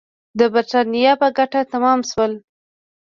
د برېټانیا په ګټه تمام شول.